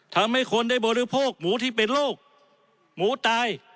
ทำให้คนได้บริโภคหมูที่เป็นโรคหมูตาย